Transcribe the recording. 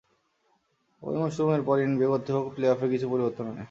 ওই মৌসুমের পর এনবিএ কর্তৃপক্ষ প্লে অফে কিছু পরিবর্তন আনে।